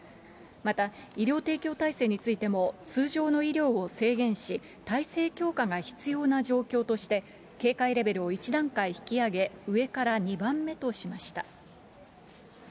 また、医療提供体制についても、通常の医療を制限し、体制強化が必要な状況として、警戒レベルを１段階引き上げ、上から２番目としました。